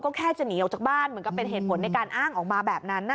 ก็แค่จะหนีออกจากบ้านเหมือนกับเป็นเหตุผลในการอ้างออกมาแบบนั้น